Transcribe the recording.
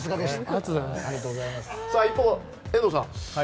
一方、遠藤さん